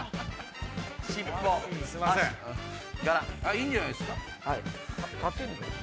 いいんじゃないっすか？